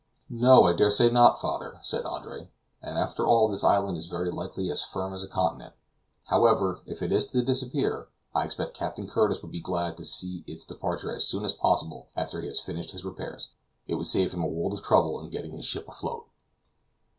"No, I dare say not, father," said Andre, "and after all this island is very likely as firm as a continent. However, if it is to disappear, I expect Captain Curtis would be glad to see it take its departure as soon as possible after he has finished his repairs; it would save him a world of trouble in getting his ship afloat."